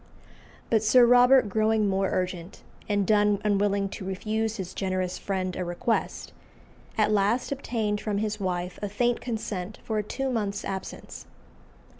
But Sir Robert growing more urgent, and Donne unwilling to refuse his generous friend a request, at last obtained from his wife a faint consent for a two months' absence.